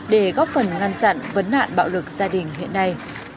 để góp phần ngăn chặn vấn nạn bạo lực gia đình hiện nay